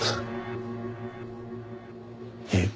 いえ。